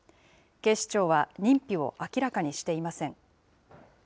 警視庁は認否を明らかにしていません。